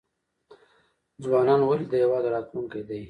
ځوانان ولې د هیواد راتلونکی دی؟